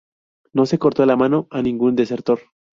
No se cortó la mano a ningún desertor.